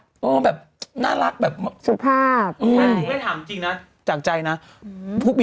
คุณไอ้อำพัชิปรับ